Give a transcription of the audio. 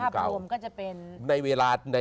ถ้าเป็นภาพดวงก็จะเป็น